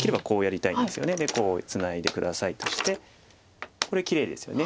「こうツナいで下さい」としてこれきれいですよね。